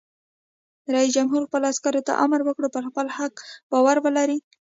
رئیس جمهور خپلو عسکرو ته امر وکړ؛ پر خپل حق باور ولرئ!